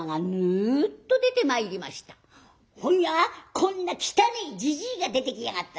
「ほんにゃこんな汚えじじいが出てきやがったぜ。